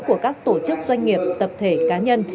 của các tổ chức doanh nghiệp tập thể cá nhân